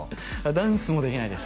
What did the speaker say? ダンスもできないです